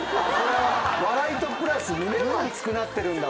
笑いプラス胸も熱くなってるんだ。